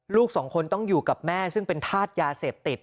ลูกสองคนต้องอยู่กับแม่ซึ่งเป็นธาตุยาเสพติด